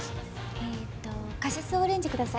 えっとカシスオレンジ下さい。